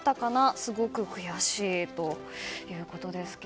すごく悔しいということですが。